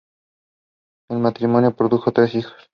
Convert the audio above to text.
El matrimonio produjo tres hijos.